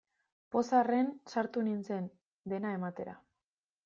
Pozarren sartu nintzen, dena ematera.